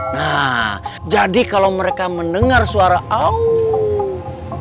nah jadi kalau mereka mendengar suara allah